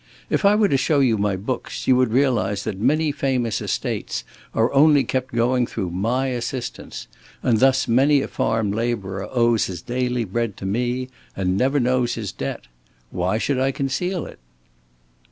If I were to show you my books you would realize that many famous estates are only kept going through my assistance; and thus many a farm laborer owes his daily bread to me and never knows his debt. Why should I conceal it?"